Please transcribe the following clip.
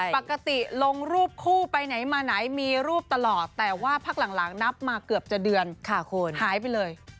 ปกติลงรูปคู่ไปไหนมาไหนมีรูปตลอดแต่ว่าพักหลังนับมาเกือบจะเดือนค่ะคุณหายไปเลย